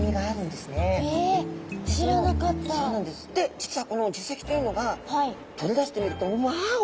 実はこの耳石というのが取り出してみるとわお！